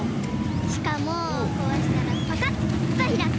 しかもこうしたらパカッとひらく。